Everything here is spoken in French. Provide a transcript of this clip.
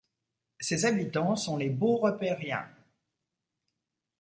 Ses habitants sont les Beaurepairiens.